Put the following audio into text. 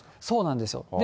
そうなんですよ。